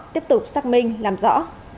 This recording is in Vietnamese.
tiếp tục xác minh làm rõ